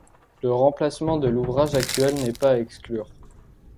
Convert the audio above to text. Le remplacement de l'ouvrage actuel n'est pas à exclure.